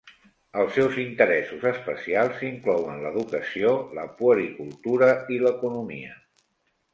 Els seus interessos especials inclouen l'educació, la puericultura i l'economia.